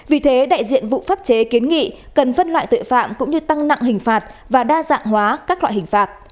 vì thế đại diện vụ pháp chế kiến nghị cần phân loại tội phạm cũng như tăng nặng hình phạt và đa dạng hóa các loại hình phạt